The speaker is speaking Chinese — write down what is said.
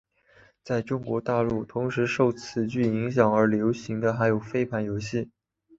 在中国大陆同时受此剧影响而流行的还有飞盘游戏。